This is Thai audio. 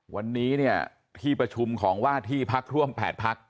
วันนี้เนี่ยที่ประชุมของว่าที่พักร่วม๘พัก